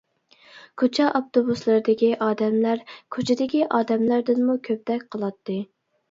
كوچا ئاپتوبۇسلىرىدىكى ئادەملەر كوچىدىكى ئادەملەردىنمۇ كۆپتەك قىلاتتى.